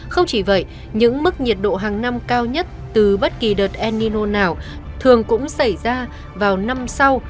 không chỉ vậy những mức nhiệt độ hàng năm cao nhất từ bất kỳ đợt enino nào thường cũng xảy ra vào năm sau